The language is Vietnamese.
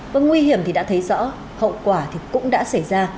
vâng nguy hiểm thì đã thấy rõ hậu quả thì cũng đã xảy ra